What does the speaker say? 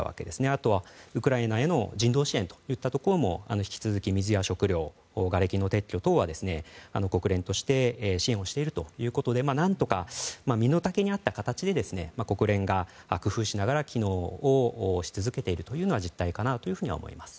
あとは、ウクライナへの人道支援といったところも引き続き水や食料、がれきの撤去等は国連として支援しているということで何とか、身の丈に合った形で国連が工夫しながら機能し続けているというのが実態かなと思います。